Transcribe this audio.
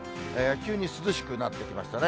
急に涼しくなってきましたね。